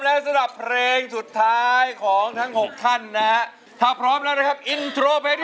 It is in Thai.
พร้อมแล้วสำหรับเพลงสุดท้ายของทั้ง๖ท่านนะฮะถ้าพร้อมแล้วนะครับอินโทรเพจที่๓มูลค่า๒หมื่นบาทมาเลยครับ